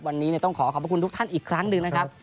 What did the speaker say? วันนี้ต้องขอขอบพระคุณทุกท่านอีกครั้งหนึ่งนะครับ